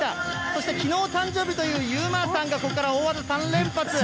そして、きのう誕生日というゆまさんがここから大技３連発。